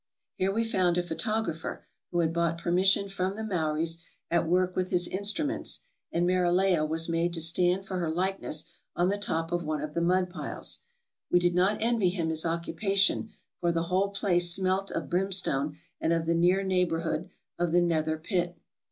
Here we found a photographer, who had bought permission from the Maories, at work with his instruments, and Marileha was made to stand for her likeness on the top of one of the mud piles. We did not envy him his occupa tion, for the whole place smelt of brimstone and of the near neighborhood of the Nether Pit.